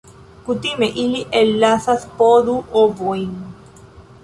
Kutime ili ellasas po du ovojn.